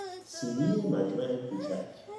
سینی مجمع کوچک